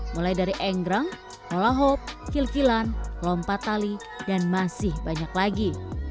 mulai dari enggrang nolahop kil kilan lompat tali dan masih banyak lagi